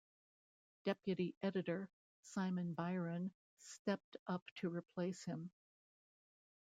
Deputy Editor, Simon Byron, stepped up to replace him.